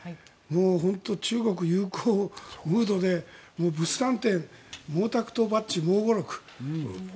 本当に中国、友好ムードで物産展毛沢東バッジ「毛語録」